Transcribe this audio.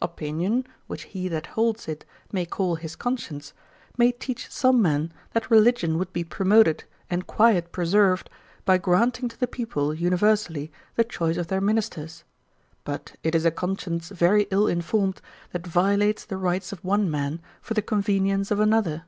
Opinion, which he that holds it may call his conscience, may teach some men that religion would be promoted, and quiet preserved, by granting to the people universally the choice of their ministers. But it is a conscience very ill informed that violates the rights of one man, for the convenience of another.